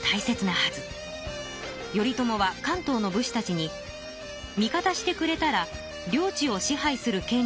頼朝は関東の武士たちに味方してくれたら領地を支配するけん